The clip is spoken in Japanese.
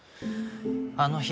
あの日。